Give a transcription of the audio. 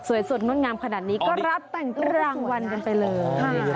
สดงดงามขนาดนี้ก็รับแต่งรางวัลกันไปเลย